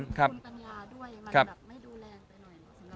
คุณปัญญาด้วยมันแบบไม่ดูแรงไปหน่อย